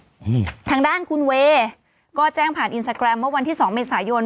อืมทางด้านคุณเวย์ก็แจ้งผ่านอินสตาแกรมเมื่อวันที่สองเมษายน